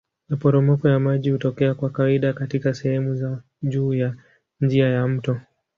Maporomoko ya maji hutokea kwa kawaida katika sehemu za juu ya njia ya mto.